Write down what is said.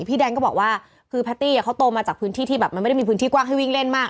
พี่แดนก็บอกว่าคือแพตตี้เขาโตมาจากพื้นที่ที่แบบมันไม่ได้มีพื้นที่กว้างให้วิ่งเล่นมาก